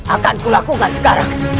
akan kulakukan sekarang